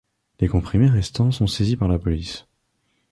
Les comprimés restants sont saisis par la police.